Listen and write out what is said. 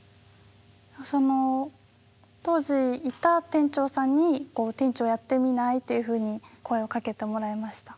当時いた店長さんに「店長やってみない？」っていうふうに声をかけてもらいました。